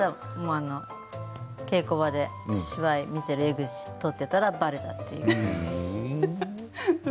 稽古場で芝居を見ている江口を撮っていたら、ばれた。